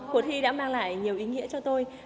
cuộc thi đã mang lại nhiều ý nghĩa cho tôi